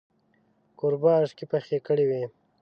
کوربه اشکې پخې کړې وې.